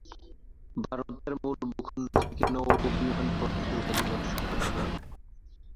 ভারতের মূল ভূ-খন্ড থেকে নৌ ও বিমান পথে যোগাযোগ আছে।